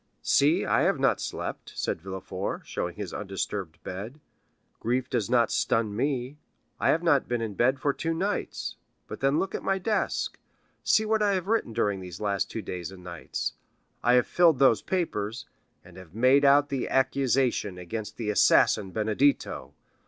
"See, I have not slept," said Villefort, showing his undisturbed bed; "grief does not stun me. I have not been in bed for two nights; but then look at my desk; see what I have written during these two days and nights. I have filled those papers, and have made out the accusation against the assassin Benedetto.